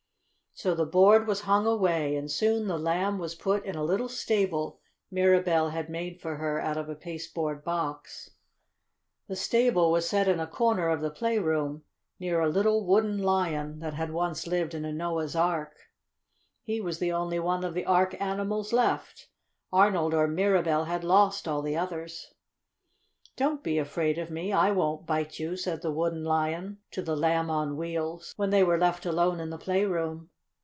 So the board was hung away, and soon the Lamb was put in a little stable Mirabell made for her out of a pasteboard box. The stable was set in a corner of the playroom, near a little Wooden Lion that had once lived in a Noah's Ark. He was the only one of the Ark animals left. Arnold or Mirabell had lost all the others. "Don't be afraid of me! I won't bite you," said the Wooden Lion to the Lamb on Wheels, when they were left alone in the playroom.